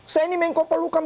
saya ini main kopal ukam